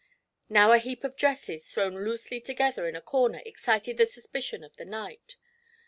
Now a heap of dresses thrown loosely together in a corner excited the suspicion of the knight.